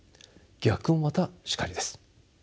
逆もまたしかりです。